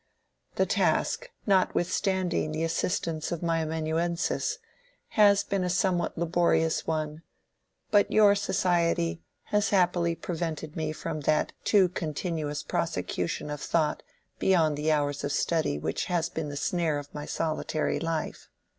The task, notwithstanding the assistance of my amanuensis, has been a somewhat laborious one, but your society has happily prevented me from that too continuous prosecution of thought beyond the hours of study which has been the snare of my solitary life."